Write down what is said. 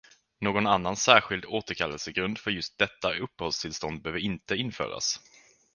Någon annan särskild återkallelsegrund för just detta uppehållstillstånd behöver inte införas.